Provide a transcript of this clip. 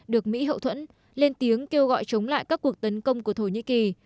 được mỹ hậu thuẫn lên tiếng kêu gọi chống lại các cuộc tấn công của thổ nhĩ kỳ